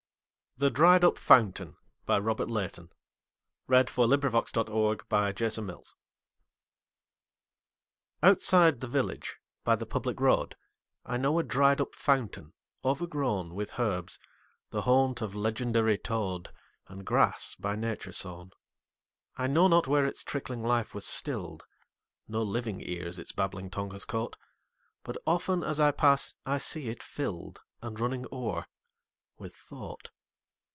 9 The Dried up Fountain OUTSIDE the village, by the public road,I know a dried up fountain, overgrownWith herbs, the haunt of legendary toad, And grass, by Nature sown.I know not where its trickling life was still'd; No living ears its babbling tongue has caught; But often, as I pass, I see it fill'dAnd running o'er with thought.